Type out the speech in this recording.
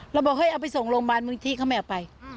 บอกเฮ้ยเอาไปส่งโรงพยาบาลบางทีเขาไม่เอาไป